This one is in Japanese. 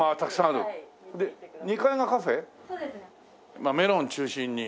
まあメロン中心に。